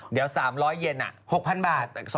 เดี๋ยว๓๐๐เย็น๖๐๐๐บาท